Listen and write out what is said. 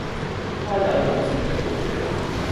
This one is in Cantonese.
她也友善的道謝